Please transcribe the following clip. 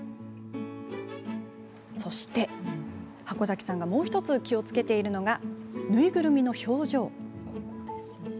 そして箱崎さんがもう１つ気をつけているのはぬいぐるみの表情。